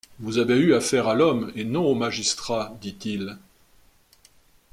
Vous avez eu affaire à l’homme et non au magistrat, dit-il.